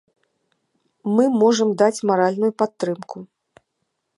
Мы можам даць маральную падтрымку.